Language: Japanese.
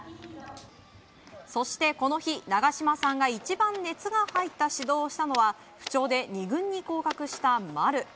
そしてこの日、長嶋さんが一番熱が入った指導をしたのは不調で２軍に降格した丸。